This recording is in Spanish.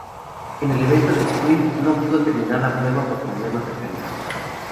En el evento de sprint, no pudo terminar la prueba por problemas mecánicos.